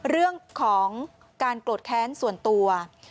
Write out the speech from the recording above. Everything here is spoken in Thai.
เรื่องของการโกรธแค้นส่วนตัว